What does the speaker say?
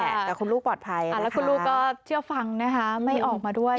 แต่คุณลูกปลอดภัยแล้วคุณลูกก็เชื่อฟังนะคะไม่ออกมาด้วย